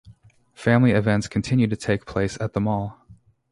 Family events continue to take place at the mall.